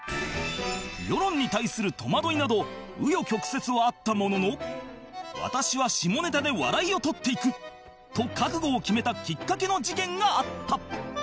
世論に対するとまどいなど紆余曲折はあったものの私は下ネタで笑いを取っていく！と覚悟を決めたきっかけの事件があった